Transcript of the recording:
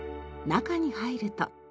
中に入ると。